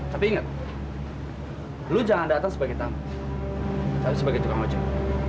tapi ingat lu jangan datang sebagai tamu tapi sebagai tukang ojek